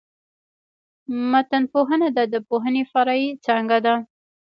متنپوهنه د ادبپوهني فرعي څانګه ده.